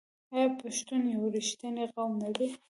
آیا پښتون یو رښتینی قوم نه دی؟